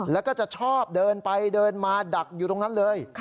แล้วก็จะชอบเดินไปเดินมาดักอยู่ตรงนั้นเลย